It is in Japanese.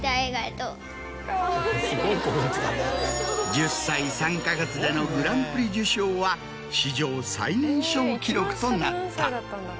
１０歳３か月でのグランプリ受賞は史上最年少記録となった。